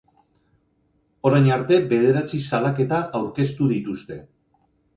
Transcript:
Orain arte bederatzi salaketa aurkeztu dituzte.